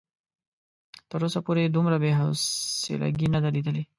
تر اوسه پورې دومره بې حوصلګي نه ده ليدلې.